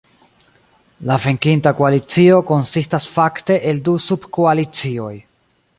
La venkinta koalicio konsistas fakte el du subkoalicioj.